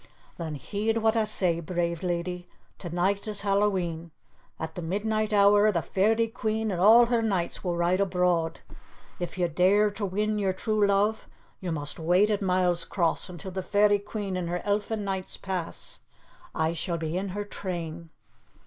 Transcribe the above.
"Then heed what I say, brave lady. To night is Hallowe'en. At the midnight hour, the Fairy Queen and all her knights will ride abroad. If you dare win your true love, you must wait at Milescross until the Fairy Queen and her Elfin Knights pass. I shall be in her train."